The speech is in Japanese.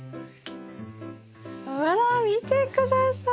ほら見て下さい！